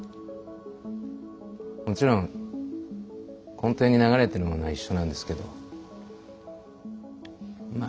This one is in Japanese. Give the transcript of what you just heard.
もちろん根底に流れてるものは一緒なんですけどまあ